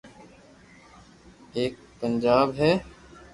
ايڪ پنجاب ھي